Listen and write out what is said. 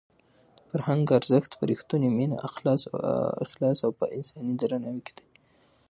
د فرهنګ ارزښت په رښتونې مینه، اخلاص او په انساني درناوي کې دی.